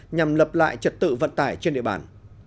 nhằm lập lại trật tự vận tải trên địa bàn